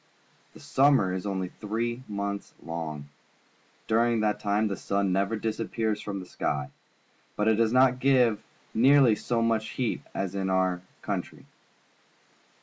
The summer is only three months long. During that time the sun never disappears from the sky, but it does not give nearly so much heat as in our countrj'.